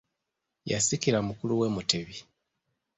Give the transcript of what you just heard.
Yasikira mukulu we Mutebi.